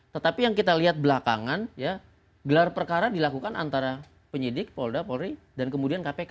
tetapi yang kita lihat belakangan ya gelar perkara dilakukan antara penyidik polda polri dan kemudian kpk